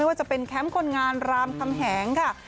ว่าจะเป็นแคมป์คนงานรามคำแหงค่ะ